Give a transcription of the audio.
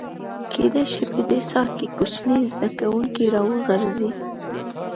کېدای شي په دې څاه کې کوچني زده کوونکي راوغورځي.